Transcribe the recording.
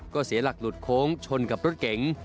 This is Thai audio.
ก็เสียหลักหลุดโค้งชนกับรถเก๋ง